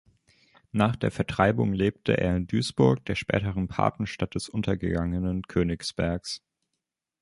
Nach der Vertreibung lebte er in Duisburg, der späteren Patenstadt des untergegangenen Königsbergs.